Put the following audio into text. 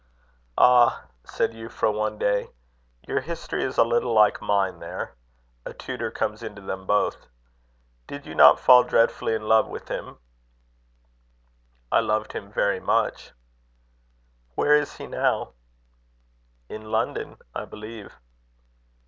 "Ah!" said Euphra, one day, "your history is a little like mine there; a tutor comes into them both. Did you not fall dreadfully in love with him?" "I loved him very much." "Where is he now?" "In London, I believe."